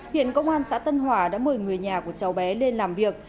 hiện công an xã tân hòa đã mời người nhà của cháu bé lên làm việc